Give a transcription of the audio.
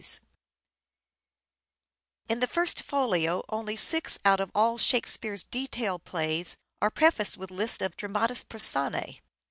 Un Shake In the First Folio only six, out of all Shakespeare's details*0 plavs» are prefaced with lists of dramatis personae.